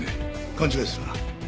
勘違いするな。